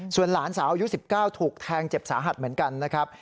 ส่วนหลานสาวอายุ๑๙ถูกแทงเจ็บสาหัสเหมือนกันนะครับ